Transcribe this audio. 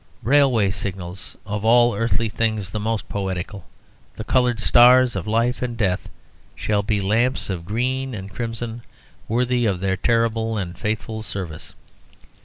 Railway signals, of all earthly things the most poetical, the coloured stars of life and death, shall be lamps of green and crimson worthy of their terrible and faithful service.